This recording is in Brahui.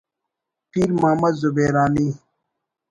پیر محمد زبیرانی